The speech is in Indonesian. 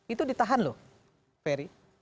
itu ditahan loh ferry